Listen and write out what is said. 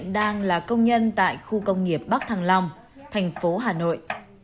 đang là công nhân tại khu công nghiệp bắc thăng long thành phố hà nội